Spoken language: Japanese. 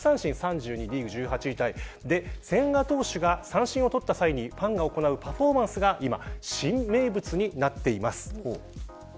千賀投手が三振を取った際にファンが行うパフォーマンスが今、新名物になっています。